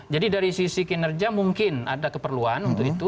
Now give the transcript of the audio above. jadi dari sisi kinerja mungkin ada keperluan untuk itu